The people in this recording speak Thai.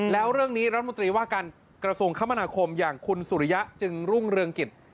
แล้วเรื่องนี้รัฐมนตรีว่าการกระทรวงคมนาคมอย่างคุณสุริยะจึงรุ่งเรืองกิจ